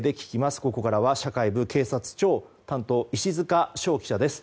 ここからは社会部警察庁担当石塚翔記者です。